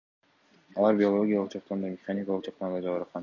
Алар биологиялык жактан да, механикалык жактан да жабыркаган.